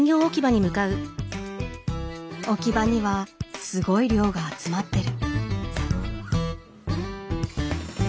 置き場にはすごい量が集まってる。